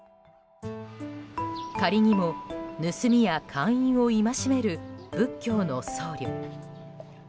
仮にも、盗みや姦淫を戒める仏教の僧侶。